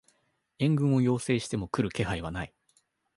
援軍を要請しても来る気配はない